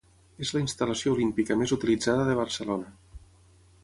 És la instal·lació olímpica més utilitzada de Barcelona.